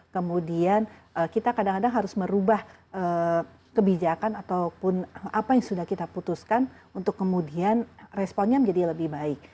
kemudian kita kadang kadang harus merubah kebijakan ataupun apa yang sudah kita putuskan untuk kemudian responnya menjadi lebih baik